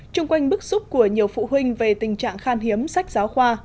trung quanh bức xúc của nhiều phụ huynh về tình trạng khan hiếm sách giáo khoa